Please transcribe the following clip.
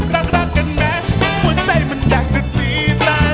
รักรักกันแม้หัวใจมันอยากจะกรีดตา